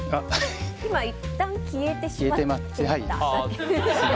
今いったん消えてしまってただけ。